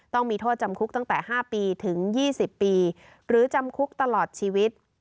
ต้องมีโทษจำคุกตั้งแต่๕ปีถึง๒๐ปีหรือจำคุกตลอดชีวิต